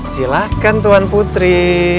silahkan tuan putri